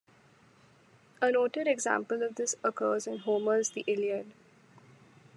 A noted example of this occurs in Homer's "The Iliad".